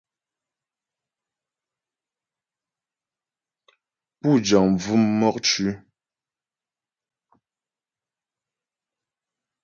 Pú jəŋ bvʉ̂m mɔkcʉ̌.